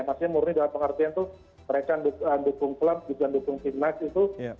maksudnya murni dalam pengertian itu mereka dukung klub juga dukung tim nas itu